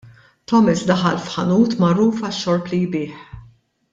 Thomas daħal f'ħanut magħruf għax-xorb li jbigħ.